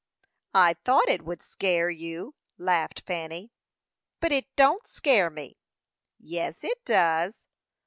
"I thought it would scare you," laughed Fanny. "But it don't scare me." "Yes, it does."